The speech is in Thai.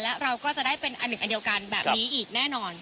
และเราก็จะได้เป็นอันหนึ่งอันเดียวกันแบบนี้อีกแน่นอน